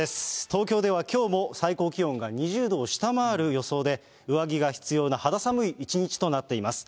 東京ではきょうも、最高気温が２０度を下回る予想で、上着が必要な肌寒い一日となっています。